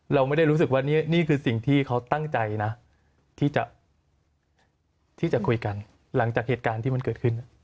เราไม่ได้รู้สึกว่านี่คือสิ่งที่เขาตั้งใจนะที่จะคุยกันหลังจากเหตุการณ์ที่มันเกิดขึ้น